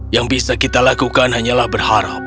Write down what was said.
yang bisa kita lakukan hanyalah berharap